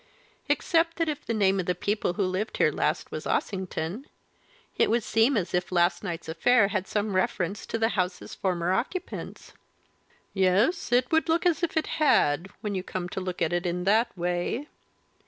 "Except that if the name of the people who lived here last was Ossington, it would seem as if last night's affair had some reference to the house's former occupants." "Yes it would look as if it had when you come to look at it in that way."